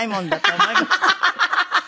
ハハハハ！